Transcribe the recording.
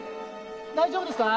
大丈夫ですか？